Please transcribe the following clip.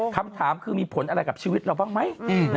คำถามคือมีผลอะไรกับชีวิตเราบ้างไหม